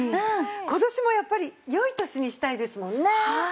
今年もやっぱり良い年にしたいですもんね。